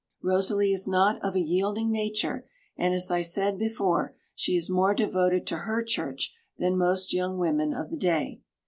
Rosalie is not of a yielding nature, and as I said before, she is more devoted to her church than most young women of the day.